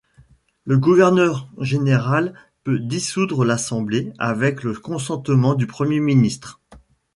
Le gouverneur général peut dissoudre l’Assemblée avec le consentement du premier ministre.